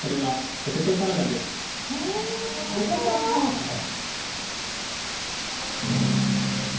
ポテトサラダです。